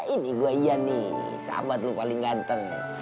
ini gue ian nih sahabat lu paling ganteng